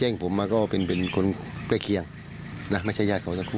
นานเลยหรอ